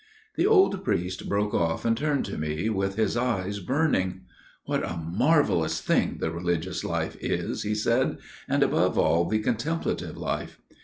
The old priest broke off and turned to me, with his eyes burning: "What a marvellous thing the Religious Life is," he said, "and above all the Contemplative Life!